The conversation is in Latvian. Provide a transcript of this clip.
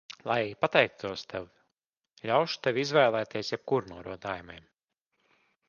Lai pateiktos tev, ļaušu tev izvēlēties jebkuru no rotājumiem.